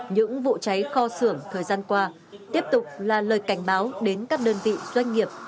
những vụ cháy kho xưởng thời gian qua tiếp tục là lời cảnh báo đến các đơn vị doanh nghiệp